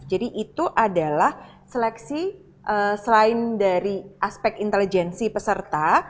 jadi itu adalah seleksi selain dari aspek intelijensi peserta